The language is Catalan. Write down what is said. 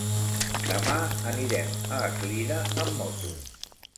Demà anirem a Eslida amb moto.